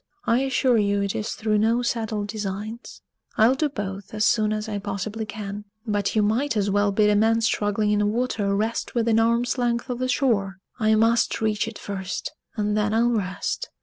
"I assure you it is through no settled designs. I'll do both as soon as I possibly can. But you might as well bid a man struggling in the water rest within arm's length of the shore! I must reach it first, and then I'll rest.